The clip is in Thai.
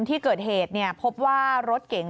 ที่เกิดเหตุพบว่ารถเก๋ง